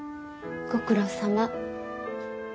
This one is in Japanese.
ご苦労さま。